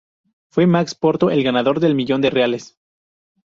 Fue Max Porto el ganador del millón de reales.